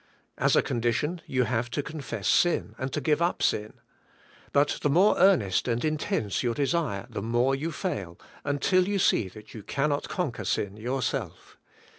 As a condition, you have to confess sin, and to give up sin; but the more earnest and intense your de sire the more you fail, until you see that you cannot conquer sin yourself.